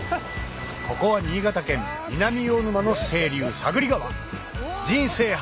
ここは新潟県南魚沼の清流人生初！